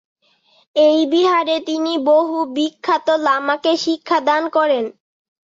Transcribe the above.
এই বিহারে তিনি বহু বিখ্যাত লামাকে শিক্ষাদান করেন।